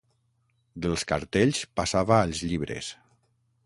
Dels cartells passava als llibres